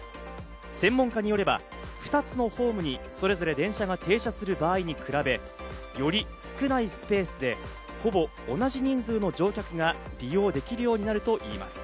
専門家によれば２つのホームにそれぞれ電車が停車する場合に比べ、より少ないスペースでほぼ同じ人数の乗客が利用できるようになるといいます。